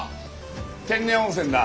天然温泉だ。